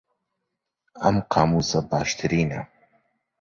ئەم قامووسە باشترینە.